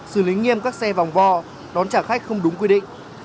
xử lý nghiêm các xe vòng vo đón trả khách không đúng quy định